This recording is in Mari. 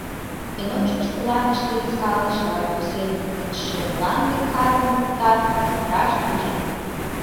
Эн ончыч планыште вискалыш, вара кӱсен гычше мланде картым луктат, таҥастараш пиже.